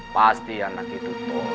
pasti anak itu tolek